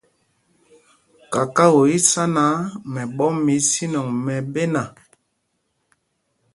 Kakao í í sá náǎ, mɛɓɔ́m mɛ ísinɛŋ i ɓéna.